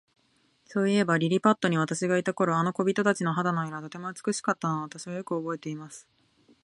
そういえば、リリパットに私がいた頃、あの小人たちの肌の色は、とても美しかったのを、私はよくおぼえています。